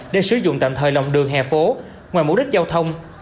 để sử dụng tạm thời lòng đường hè phố ngoài mục đích giao thông